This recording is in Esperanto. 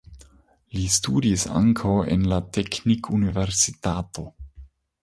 Li studis ankaŭ en la teknikuniversitato.